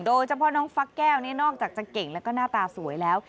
โดยเฉพาะน้องฟักแก้วนี่นอกจากจะเก่งแล้วก็หน้าตาสวยแล้ว